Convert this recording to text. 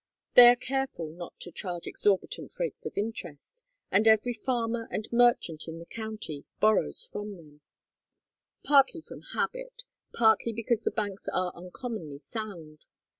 They are careful not to charge exorbitant rates of interest, and every farmer and merchant in the county borrows from them; partly from habit, partly because the banks are uncommonly sound.